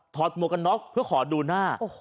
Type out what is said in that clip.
ถอดมวกน็อคเพื่อขอดูหน้า